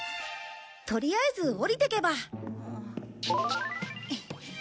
とりあえず下りてけば。